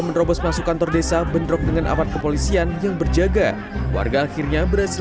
menerobos masuk kantor desa bendrok dengan aparat kepolisian yang berjaga warga akhirnya berhasil